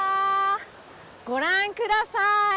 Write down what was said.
ご覧ください。